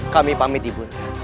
kami pamit ibu nda